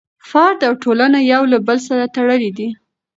فرد او ټولنه یو له بل سره تړلي دي.